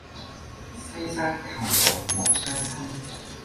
西山寇盜莫相侵。